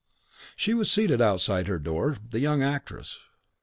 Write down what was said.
She was seated outside her door, the young actress!